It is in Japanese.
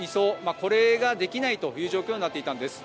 これができないという状況になっていたんです。